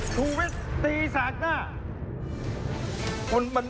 ชูวิทย์ตีแสกหน้า